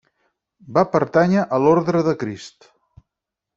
Va pertànyer a l'Orde de Crist.